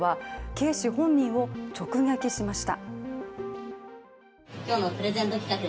Ｋ氏本人を直撃しました。